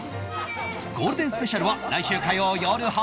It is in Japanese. ゴールデンスペシャルは来週火曜よる８時！